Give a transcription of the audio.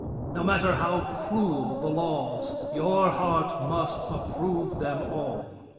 No matter how cruel the laws, your heart must approve them all!"